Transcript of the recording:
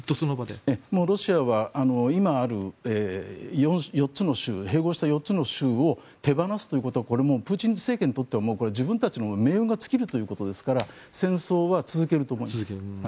ロシアは今ある併合した４つの州を手放すということはプーチン政権にとっては自分たちの命運が尽きるということですから戦争は続けると思います。